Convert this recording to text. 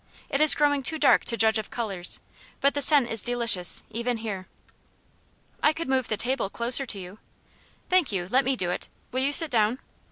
"It is growing too dark to judge of colours; but the scent is delicious, even here." "I could move the table closer to you." "Thank you let me do it will you sit down?"